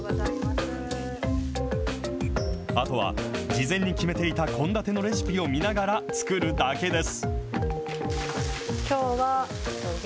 あとは事前に決めていた献立のレシピを見ながら作るだけです。